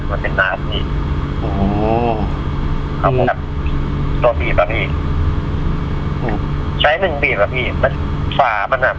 อืมแบบตัวบีบอ่ะพี่ใช้หนึ่งบีบอ่ะพี่ฝามันอ่ะ